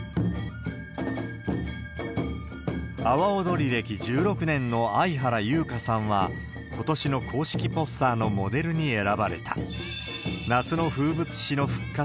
阿波踊り歴１６年の藍原優佳さんは、ことしの公式ポスターのモデルに選ばれた。